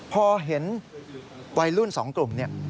พอเห็นวัยรุ่นสองกลุ่ม